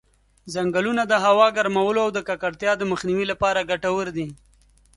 ځنګلونه د هوا د ګرمولو او د ککړتیا د مخنیوي لپاره ګټور دي.